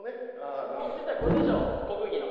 相撲っていったらこれでしょ国技の。